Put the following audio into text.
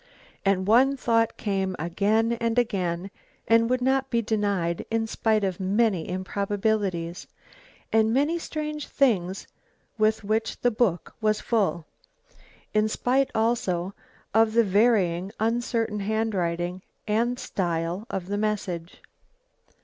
And one thought came again and again, and would not be denied in spite of many improbabilities, and many strange things with which the book was full; in spite, also, of the varying, uncertain handwriting and style of the message.